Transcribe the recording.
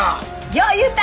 よう言うた！